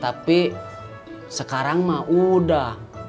tapi sekarang mah udah